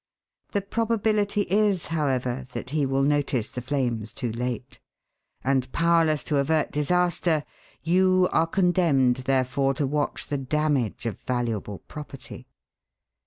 The probability is, however, that he will notice the flames too late. And powerless to avert disaster, you are condemned, therefore, to watch the damage of valuable property.